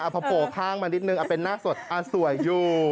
พอโผล่ข้างมานิดนึงเป็นหน้าสดสวยอยู่